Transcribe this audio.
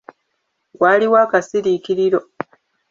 Waaliwo akasasirikiriro.